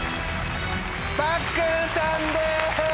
パックンさんです！